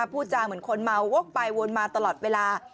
พูดจาเหมือนคนเมาวกไปวนมาตลอดเวลา